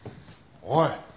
おい！